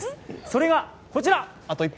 それが、こちら！